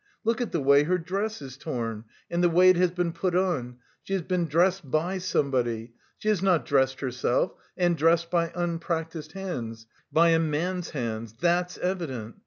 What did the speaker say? Look at the way her dress is torn, and the way it has been put on: she has been dressed by somebody, she has not dressed herself, and dressed by unpractised hands, by a man's hands; that's evident.